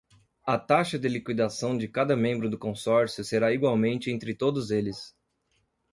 A taxa de liquidação de cada membro do consórcio será igualmente entre todos eles.